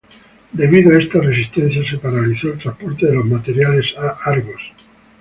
Debido a esta resistencia se paralizó el transporte de los materiales a "Argos".